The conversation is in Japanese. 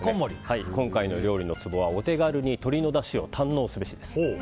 今回の料理のツボは、お手軽に鶏のダシを堪能すべしです。